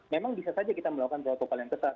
memang bisa saja kita melakukan protokol yang ketat